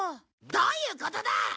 どういうことだ？